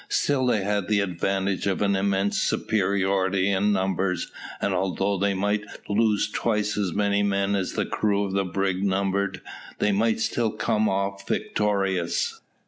Still they had the advantage of an immense superiority in numbers, and although they might lose twice as many men as the crew of the brig numbered, they might still come off victorious.